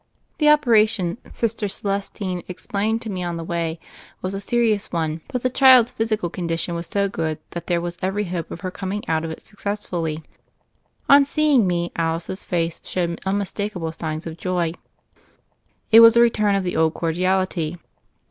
The operation. Sister Celestine explained to me on the way, was a serious one ; but the child's physical condition was so good that there was every hope of her coming out of it successfully. On seeing me Alice's face showed unmistaka ble signs of joy. It was a return of the old cordiality.